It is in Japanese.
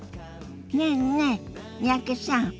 ねえねえ三宅さん。